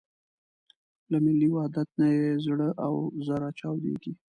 له ملي وحدت نه یې زړه او زره چاودېږي.